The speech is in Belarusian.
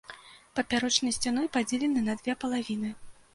Папярочнай сцяной падзелены на две палавіны.